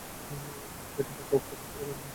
যেটি মাঙ্গা উপর ভিত্তি করে নির্মিত হয়েছিল।